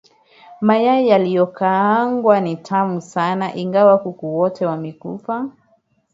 Mayai yaliyokaangwa ni matamu sana ingawa kuku wote wamekufa.